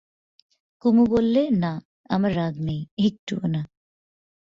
কুমু বললে, না, আমার রাগ নেই, একটুও না।